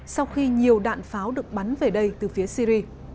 sau khi nhiều đạn pháo được bắn về đây từ phía syri